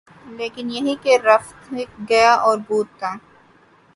لیکن یہی کہ رفت، گیا اور بود تھا